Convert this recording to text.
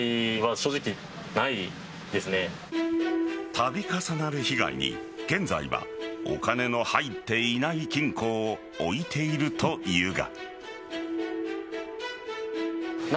度重なる被害に現在はお金の入っていない金庫を置いているというが。